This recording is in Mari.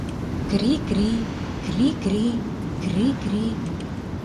— Крри-кри, крри-кри, крри-кри.